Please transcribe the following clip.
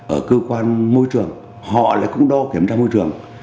ở cơ quan môi trường họ lại cũng đo kiểm tra môi trường